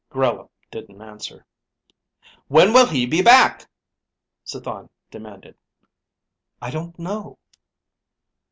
Grella didn't answer. "When will he be back?" Cithon demanded. "I don't know."